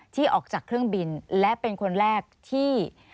ที่ออกจากเครื่องบินและเป็นคนแรกที่